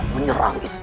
kami berada di sana